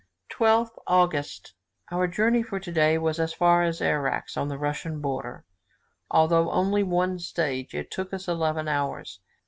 12th August. Our journey for today was as far as Arax, on the Russian frontier. Although only one stage, it took us eleven hours.